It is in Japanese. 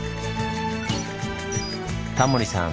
タモリさん